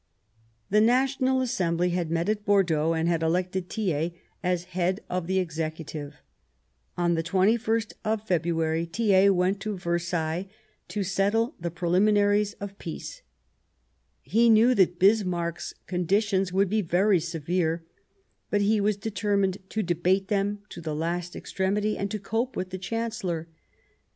The National Assembly had met at Bordeaux and had elected Thiers as head of the Executive, On the 2ist of February Thiers went to ^f®l^°^i.^''?®* VersaiUes to settle the preliminaries of of the 26th tt i i t^. of February peace. He knew that Bismarck's con ditions would be very severe, but he was determined to debate them to the last extremity and to cope with the Chancellor.